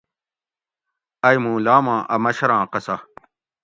ائ موں لاماں اۤ مشراں قصہ